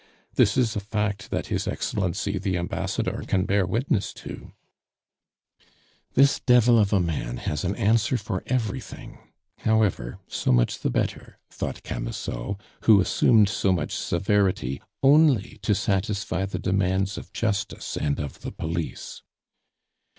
This is a fact that His Excellency the Ambassador can bear witness to " "This devil of a man has an answer for everything! However, so much the better," thought Camusot, who assumed so much severity only to satisfy the demands of justice and of the police.